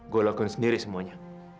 gue lakukan sendiri semuanya